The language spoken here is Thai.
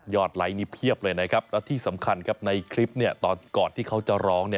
ไลค์นี้เพียบเลยนะครับแล้วที่สำคัญครับในคลิปตอนก่อนที่เขาจะร้อง